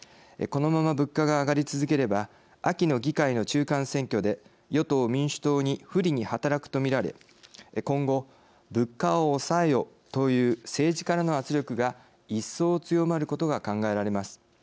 このまま物価が上がり続ければ秋の議会の中間選挙で与党民主党に不利に働くとみられ今後、物価を抑えよという政治からの圧力が一層強まることが考えられます。